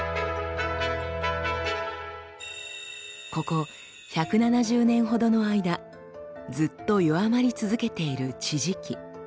ここ１７０年ほどの間ずっと弱まり続けている地磁気。